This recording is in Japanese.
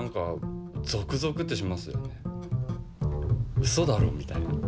うそだろみたいな。